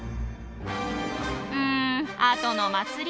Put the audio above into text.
うんあとの祭り。